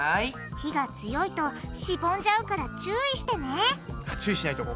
火が強いとしぼんじゃうから注意してね注意しないとここ。